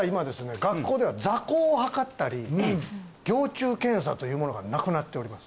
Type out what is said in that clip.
学校では座高を測ったりぎょう虫検査というものがなくなっております